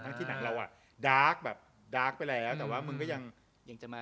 ทั้งที่หนังเราอะดาร์กแบบดาร์กไปแล้วแต่ว่ามึงก็ยัง